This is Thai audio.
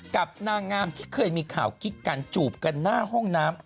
กับนางงามที่เคยมีข่าวกิ๊กกันจูบกันหน้าห้องน้ำ